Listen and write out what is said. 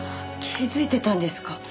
気づいてたんですか？